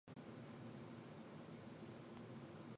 ロボティクスは、産業用ロボットの自動化を進める重要な技術である。